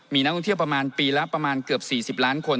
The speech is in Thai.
มีนักท่องเที่ยวประมาณปีละประมาณเกือบ๔๐ล้านคน